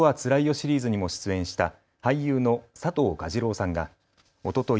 シリーズにも出演した俳優の佐藤蛾次郎さんがおととい